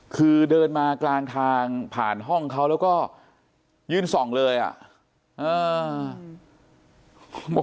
คือเดินมากลางทางผ่านห้องเขาแล้วก็ยืนส่องเลยอ่ะ